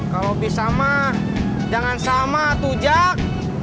kalau bisa mah jangan sama tujak